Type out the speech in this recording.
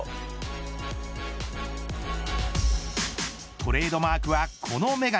トレードマークはこの眼鏡。